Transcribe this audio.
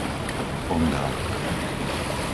Ondávka